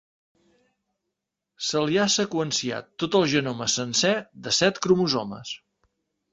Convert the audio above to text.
Se li ha seqüenciat tot el genoma sencer de set cromosomes.